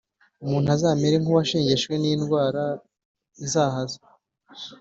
umuntu azamere nk’uwashegeshwe n’indwara izahaza.